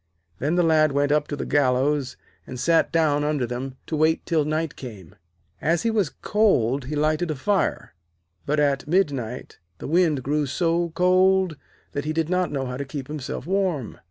Then the Lad went up to the gallows, and sat down under them to wait till night came. As he was cold he lighted a fire, but at midnight the wind grew so cold that he did not know how to keep himself warm.